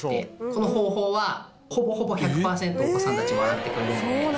この方法はほぼほぼ１００パーセントお子さんたち笑ってくれるので。